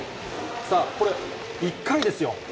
さあ、これ、１回ですよ。